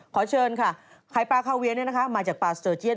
ขอเชิญค่ะไข่ปลาคาเวียมาจากปลาสเตอร์เจียน